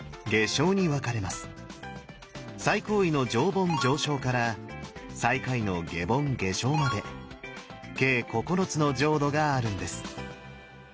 最高位の「上品上生」から最下位の「下品下生」まで計９つの浄土があるんです。